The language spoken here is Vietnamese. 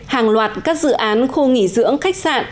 hàng loạt các dự án khu nghỉ dưỡng khách sạn